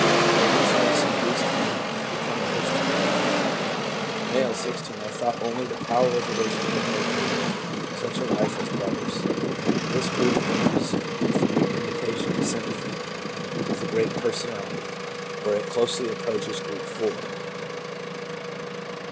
Their influence induced me to become a Christian.' M., 16. 'I thought only the power of religion could make me live such a life as brother's.* This group ranges from mere imitation to sympathy MOTIVES LEADING TO CONVERSION Ji with a great personality, where it closely approaches group 4. 8.